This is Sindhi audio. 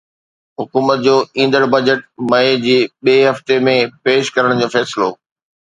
حڪومت جو ايندڙ بجيٽ مئي جي ٻئي هفتي ۾ پيش ڪرڻ جو فيصلو